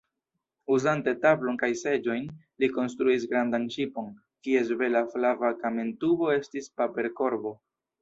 Uzante tablon kaj seĝojn, li konstruis grandan ŝipon, kies bela flava kamentubo estis paperkorbo.